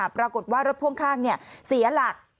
ปรากฏว่ารถพ่วงข้างหยุดรถสิระหล่าง